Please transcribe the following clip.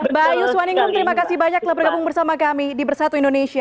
mbak yuswaningrum terima kasih banyak telah bergabung bersama kami di bersatu indonesia